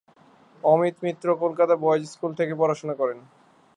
Amit Mitra Kolkata boys school থেকে পড়াশোনা শুরু করেন।